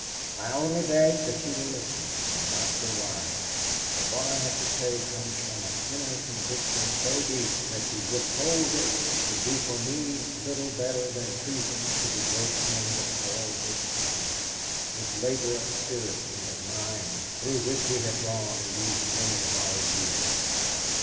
I only beg that you will listen, and not deride, for what I have to say comes from an inner conviction so deep that to withhold it would be for me little better than treason to the great end of all this suffering, this labor of spirit and of mind through which we have gone in these many hard years.